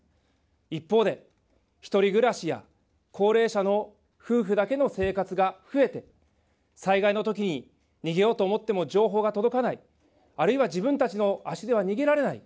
一方で、１人暮らしや高齢者の夫婦だけの生活が増えて、災害のときに逃げようと思っても情報が届かない、あるいは自分たちの足では逃げられない。